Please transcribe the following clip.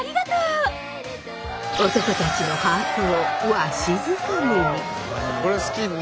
男たちのハートをわしづかみに！